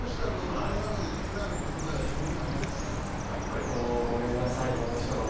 この中で気になる言葉や表現ありますか？